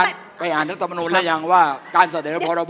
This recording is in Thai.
ผมมีรู้นกับงานอาจารย์ไปอาหารธรรมนต์นะยังว่าการเสนอปรบอ